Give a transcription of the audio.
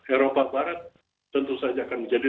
eropa barat tentu saja akan menjadi